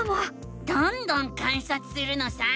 どんどん観察するのさ！